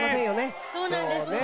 そうなんですよね。